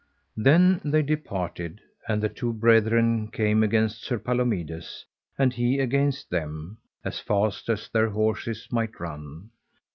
Then they departed, and the two brethren came against Sir Palomides, and he against them, as fast as their horses might run.